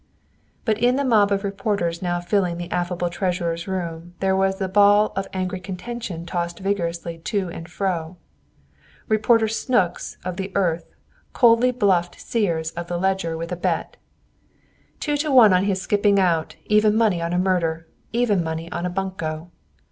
But in the mob of reporters now filling the affable treasurer's room there was the ball of angry contention tossed vigorously too and fro. Reporter Snooks of the Earth coldly bluffed Sears of the Ledger with a bet, "Two to one on his skipping out; even money on a murder; even money on a bunco."